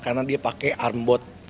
karena dia pakai arm bot